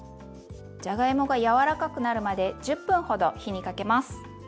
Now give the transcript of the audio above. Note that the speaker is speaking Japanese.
じゃがいもが柔らかくなるまで１０分ほど火にかけます。